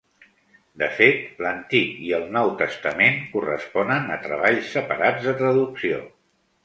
De fet, l'Antic i el Nou Testament corresponen a treballs separats de traducció.